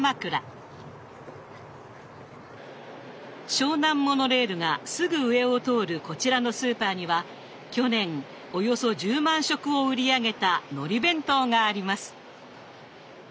湘南モノレールがすぐ上を通るこちらのスーパーには去年およそ１０万食を売り上げたのり弁当があります。